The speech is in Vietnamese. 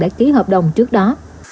đã ký hợp đồng trước đó